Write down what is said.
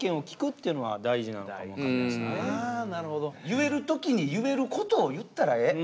言える時に言えることを言ったらええ。